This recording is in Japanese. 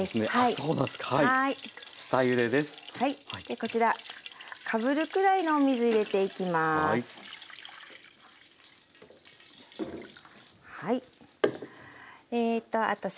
こちらかぶるくらいのお水入れていきます。